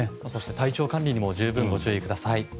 体調管理にも十分ご注意ください。